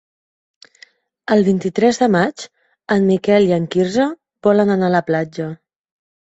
El vint-i-tres de maig en Miquel i en Quirze volen anar a la platja.